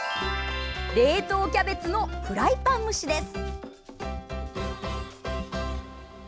冷凍キャベツのフライパン蒸しです。